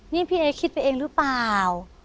นี่พี่เอ๊คิดไปเองหรือเปล่า